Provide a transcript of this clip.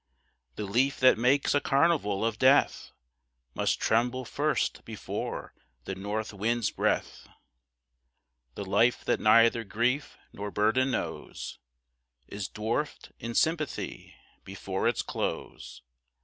The leaf that makes a carnival of death Must tremble first before the north wind's breath. The life that neither grief nor burden knows Is dwarfed in sympathy before its close.